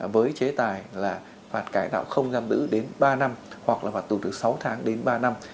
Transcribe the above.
với chế tài là phạt cải tạo không giam đữ đến ba năm hoặc là phạt tù từ sáu tháng đến ba năm